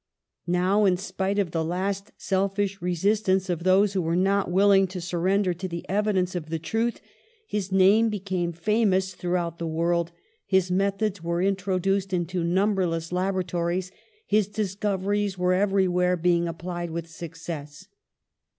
Now, in spite of the last selfish resist ance of those who were not willing to surrender to the evidence of the truth, his name had be come famous throughout the world, his methods were introduced into numberless laboratories, his discoveries were everywhere being applied with success.